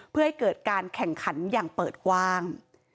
เพื่อให้เกิดการแข่งขันอย่างเปิดกว้าง